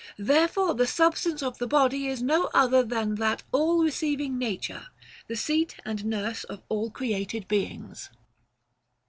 Therefore the substance of the body is no other than that all receiving Nature, the seat and nurse of all created beings.